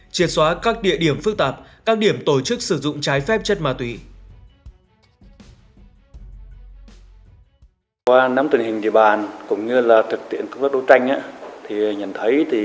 triệt xóa các địa điểm phức tạp các điểm tổ chức sử dụng trái phép chất ma túy